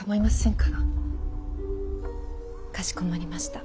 かしこまりました。